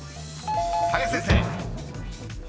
［林先生］